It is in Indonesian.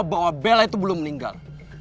bahwa bella itu belum meninggal